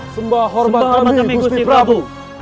semba hormat kami gusti prabu